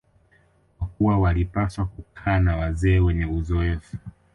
kwa kuwa walipaswa kukaa na wazee wenye uzoefu